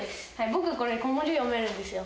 僕これ古文書読めるんですよ。